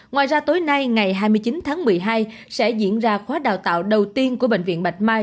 ngoài ra tối nay ngày hai mươi chín tháng một mươi hai sẽ diễn ra khóa đào tạo đầu tiên của bệnh viện bạch mai